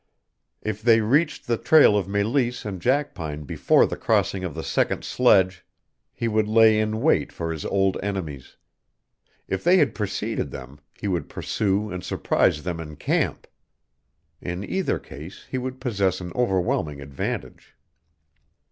If they reached the trail of Meleese and Jackpine before the crossing of the second sledge he would lay in wait for his old enemies; if they had preceded them he would pursue and surprise them in camp. In either case he would possess an overwhelming advantage.